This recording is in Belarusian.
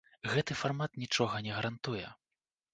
Гэты фармат нічога не гарантуе.